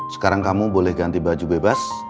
sekarang kamu boleh ganti baju bebas